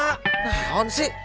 nah yang lain sih